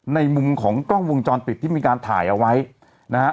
ในมุมของกล้องวงจรปิดที่มีการถ่ายเอาไว้นะฮะ